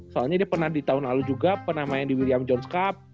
soalnya dia pernah di tahun lalu juga pernah main di william jones cup